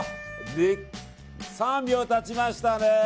３秒経ちましたね。